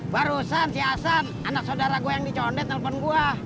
barusan si asan anak saudara gua yang dicondet nelfon gua